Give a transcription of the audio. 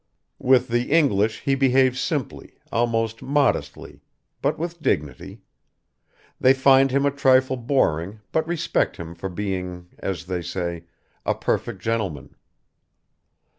With the English he behaves simply, almost modestly, but with dignity; they find him a trifle boring but respect him for being, as they say, "a perfect gentleman."